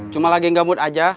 cuma lagi gamut aja